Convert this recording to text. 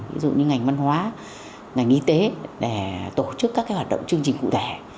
ví dụ như ngành văn hóa ngành y tế để tổ chức các hoạt động chương trình cụ thể